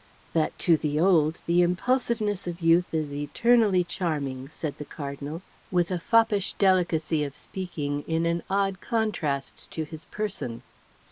"That to the old the impulsiveness of youth is eternally charming," said the Cardinal, with a foppish delicacy of speaking in an odd contrast to his person.